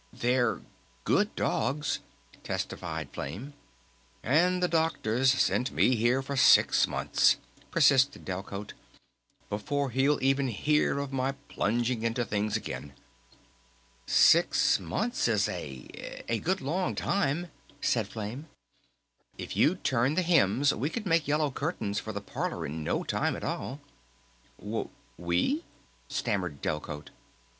"They're ... good dogs," testified Flame. "And the Doctor's sent me here for six months," persisted Delcote, "before he'll even hear of my plunging into things again!" "Six months is a a good long time," said Flame. "If you'd turn the hems we could make yellow curtains for the parlor in no time at all!" "W we?" stammered Delcote.